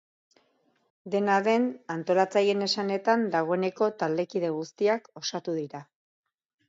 Dena den, antolatzaileen esanetan, dagoeneko taldekide guztiak osatu dira.